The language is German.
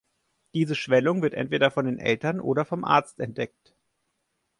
Diese Schwellung wird entweder von den Eltern oder vom Arzt entdeckt.